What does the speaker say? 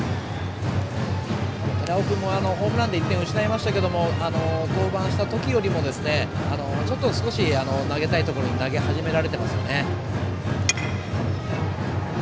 寺尾君、ホームランで１点失いましたけど登板した時より少し投げたいところに投げ始められていますね。